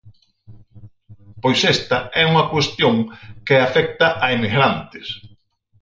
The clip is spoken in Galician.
Pois esta é unha cuestión que afecta a emigrantes.